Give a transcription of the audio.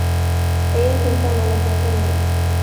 Ella intenta no meterse en líos.